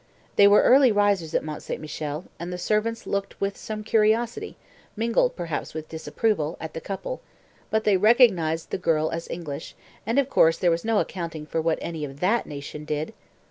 They were early risers at Mont St. Michel, and the servants looked with some curiosity, mingled perhaps with disapproval, at the couple, but they recognised the girl as being English, and of course there was no accounting for what any of that nation did!